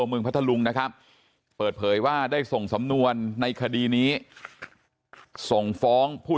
พัทธลุงนะครับเปิดเผยว่าได้ส่งสำนวนในคดีนี้ส่งฟ้องผู้